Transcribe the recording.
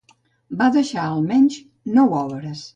Va deixar almenys nou obres.